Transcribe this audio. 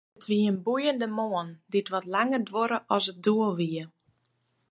It wie in boeiende moarn, dy't wat langer duorre as it doel wie.